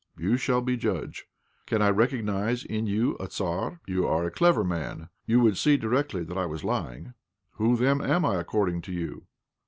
You shall be judge. Can I recognize in you a Tzar? You are a clever man; you would see directly that I was lying." "Who, then, am I, according to you?"